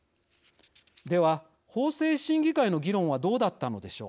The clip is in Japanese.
では法制審議会の議論はどうだったのでしょう。